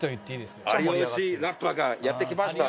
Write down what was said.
有吉ラッパーがやって来ました！